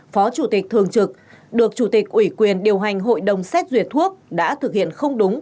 phó chủ tịch thường trực được chủ tịch ủy quyền điều hành hội đồng xét duyệt thuốc đã thực hiện không đúng